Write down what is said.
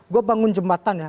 gue bangun jembatan ya